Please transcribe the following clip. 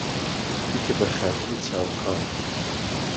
بیکه به خاتری چاو کاڵ